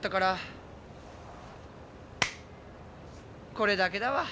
これだけだわ。